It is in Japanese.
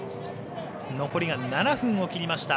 残りが７分を切りました。